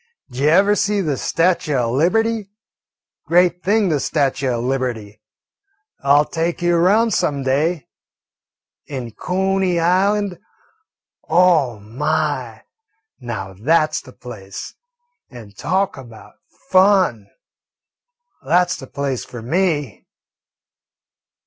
"D'jever see the statue o' Liberty? Great thing, the statue o' Liberty. I 'll take you 'round some day. An' Cooney Island oh, my, now that 's the place; and talk about fun! That 's the place for me."